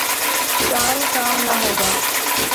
سان کام نہ ہوگا ۔